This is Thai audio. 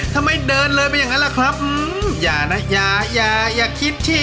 ทำไมเดินเลยไปอย่างนั้นล่ะครับ